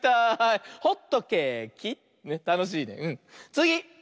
つぎ！